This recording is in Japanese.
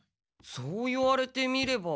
そう言われてみれば。